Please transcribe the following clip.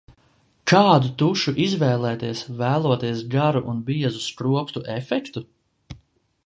Kādu tušu izvēlēties vēloties garu un biezu skropstu efektu?